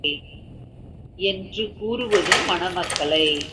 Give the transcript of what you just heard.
என்று கூறுவதும், மணமக்களை